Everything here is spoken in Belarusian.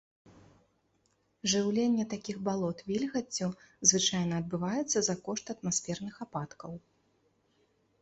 Жыўленне такіх балот вільгаццю звычайна адбываецца за кошт атмасферных ападкаў.